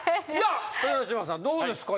豊ノ島さんどうですか？